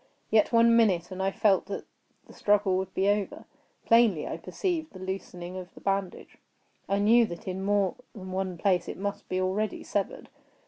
Yet one minute, and I felt that the struggle would be over. Plainly I perceived the loosening of the bandage. I knew that in more than one place it must be already severed.